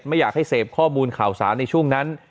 ไม่อยากให้เสพข้อมูลข่าวสารในช่วงนั้น